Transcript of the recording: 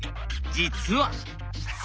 実は。